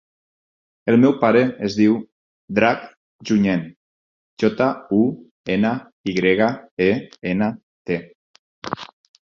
El meu pare es diu Drac Junyent: jota, u, ena, i grega, e, ena, te.